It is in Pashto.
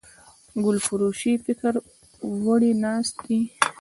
ګلفروش فکر وړی ناست دی